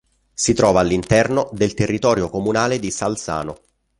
Si trova all'interno del territorio comunale di Salzano.